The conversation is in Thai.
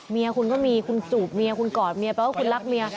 เมียคุณก็มีคุณจูบเมียคุณกอดเมียแปลว่าคุณรักเมีย